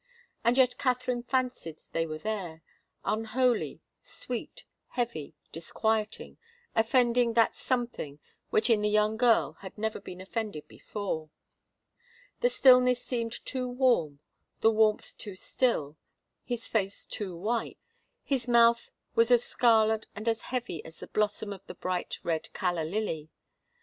And yet Katharine fancied they were there unholy, sweet, heavy, disquieting, offending that something which in the young girl had never been offended before. The stillness seemed too warm the warmth too still his face too white his mouth was as scarlet and as heavy as the blossom of the bright red calla lily.